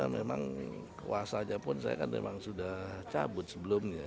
memang kuasanya pun saya kan memang sudah cabut sebelumnya